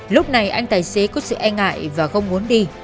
lúc này anh tài xế có sự e ngại và không muốn đi